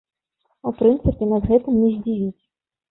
У прынцыпе, нас гэтым не здзівіць.